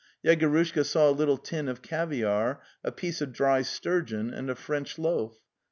Yego rushka saw a little tin of caviare, a piece of dry stur geon, and a French loaf.